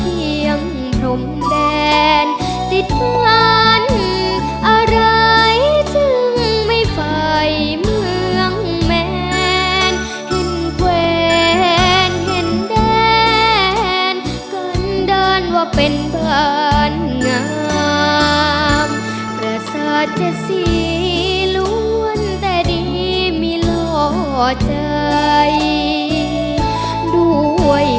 ดินแดนแห่งเรามีแต่รักกรรมขาดเผยไร้น้ำต้องตามโดยแสงเหลือนดาว